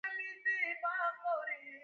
هغه د ځلانده پسرلی پر مهال د مینې خبرې وکړې.